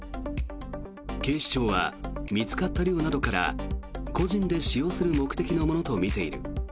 警視庁は、見つかった量などから個人で使用する目的のものとみている。